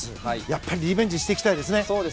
やっぱりリベンジしていきたいですね。